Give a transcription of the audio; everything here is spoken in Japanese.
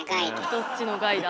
どっちの「ガイ」だ？